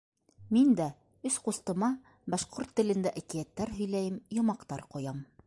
Мин дә өс ҡустыма башҡорт телендә әкиәттәр һөйләйем, йомаҡтар ҡоям.